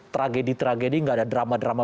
tragedi tragedi nggak ada drama drama